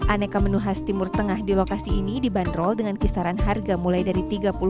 aneka menu khas timur tengah di lokasi ini dibanderol dengan kisaran harga mulai dari tiga puluh